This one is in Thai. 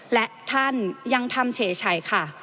และท่านยังทำเฉยค่ะ